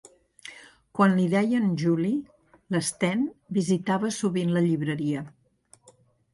Quan li deien Juli, l'Sten visitava sovint la llibreria.